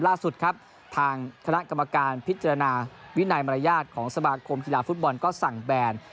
ล่าสุดครับทางคณะกรรมการพิจารณาวินัยมารยาทของสมาคมกีฬาฟุตบอลก็สั่งแบน